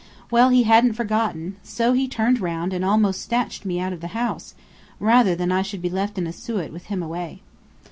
Well, he hadn't forgotten. So he turned round and almost snatched me out of the house, rather than I should be left in Asiut with him away."